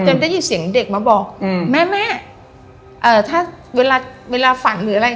ได้ยินเสียงเด็กมาบอกอืมแม่แม่เอ่อถ้าเวลาเวลาฝันหรืออะไร